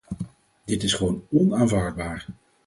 Dit is gewoon onaanvaardbaar.